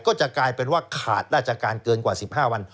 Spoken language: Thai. ก็จะกลายเป็นว่าขาดราชการเกินกว่า๑๕วัน